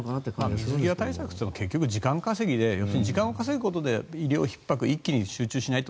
水際対策というのは時間稼ぎで時間を稼ぐことで医療ひっ迫が一気に集中しないと。